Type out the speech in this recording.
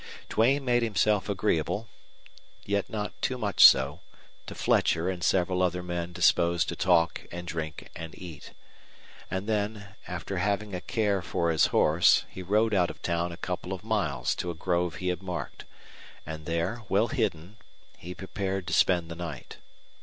Duane made himself agreeable, yet not too much so, to Fletcher and several other men disposed to talk and drink and eat; and then, after having a care for his horse, he rode out of town a couple of miles to a grove he had marked, and there, well hidden, he prepared to spend the night.